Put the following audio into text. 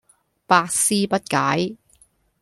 百思不解